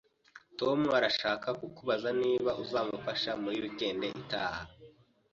Tom arashaka kukubaza niba uzamufasha muri weekend itaha